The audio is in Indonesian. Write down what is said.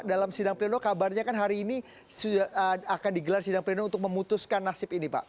dalam sidang pleno kabarnya kan hari ini akan digelar sidang pleno untuk memutuskan nasib ini pak